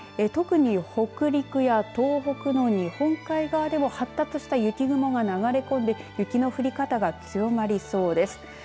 特に北陸や東北の日本海側でも発達した雪雲が流れ込んで雪の降り方が強まりそうです。